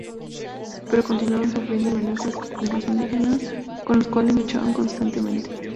Pero continuaron sufriendo amenazas de los indígenas, con los cuales luchaban constantemente.